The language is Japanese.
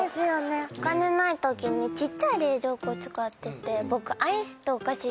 お金ないときにちっちゃい冷蔵庫使ってて僕。